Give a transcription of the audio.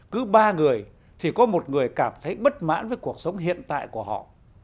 cứ ba người thì có một người cảm thấy bất mãn với cuộc sống hiện tại của họ